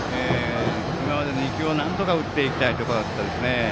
今までの１球をなんとか打っていきたいところでしたね。